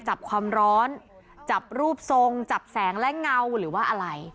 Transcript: จับความร้อนจับรูปทรงจับแสงและเงาหรือว่าอะไร